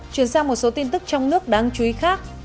chuyển sang một số tin tức trong nước đáng chú ý khác